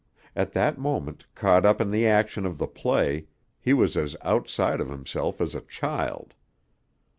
At that moment, caught up in the action of the play, he was as outside of himself as a child.